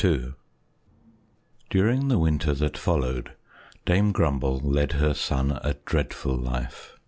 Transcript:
II During the winter that followed, Dame Grumble led her son a dreadful life.